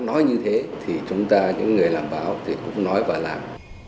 nói như thế thì chúng ta những người làm báo thì cũng nói và làm